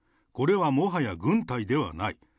これはもはや軍隊ではない。